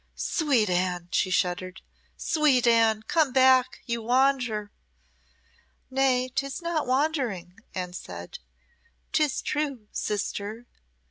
"Sweet Anne," she shuddered "sweet Anne come back you wander!" "Nay, 'tis not wandering," Anne said. "'Tis true, sister.